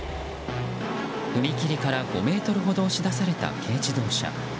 踏切から５ｍほど押し出された軽自動車。